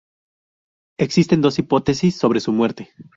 Existen dos hipótesis sobre su muerte.